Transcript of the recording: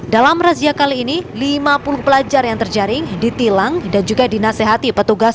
dalam razia kali ini lima puluh pelajar yang terjaring ditilang dan juga dinasehati petugas